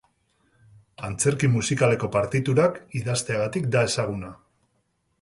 Antzerki musikaleko partiturak idazteagatik da ezaguna.